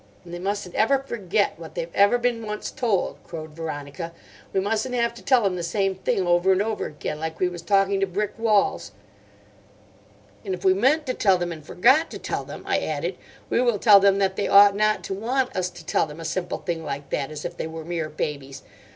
"And they mustn't ever forget what they've ever been once told," crowed Veronica. "We mustn't have to tell 'em the same thing over and over again, like we was talking to brick walls." "And if we meant to tell them and forgot to tell them," I added, "we will tell them that they ought not to want us to tell them a simple thing like that, as if they were mere babies.